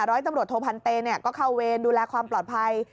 ร้อยตำรวจโทพันเตก็เข้าเวรดูแลความปลอดภัย